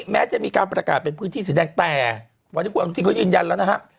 แม้จะมีการประกาศเป็นพื้นที่สีแดงแต่วันนี้คุณอนุทินเขายืนยันแล้วนะครับ